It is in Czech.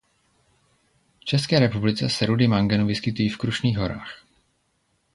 V České republice se rudy manganu vyskytují v Krušných horách.